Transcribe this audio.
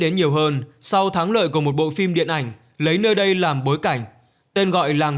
tiến nhiều hơn sau thắng lợi của một bộ phim điện ảnh lấy nơi đây làm bối cảnh tên gọi làng